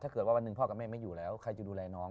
วันหนึ่งพ่อกับแม่ไม่อยู่แล้วใครจะดูแลน้อง